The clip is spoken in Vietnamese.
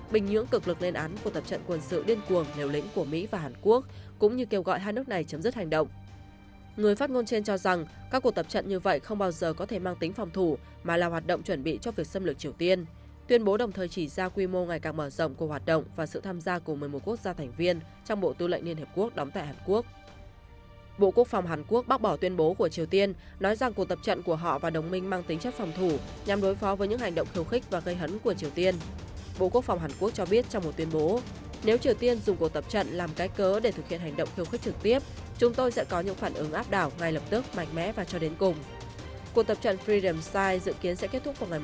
bộ quốc phòng hàn quốc cho biết trong một tuyên bố nếu triều tiên dùng cuộc tập trận làm cái cớ để thực hiện hành động khiêu khích trực tiếp chúng tôi sẽ có những phản ứng áp đảo ngay lập tức mạnh mẽ và cho đến cùng